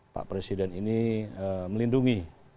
pak presiden ini melindungi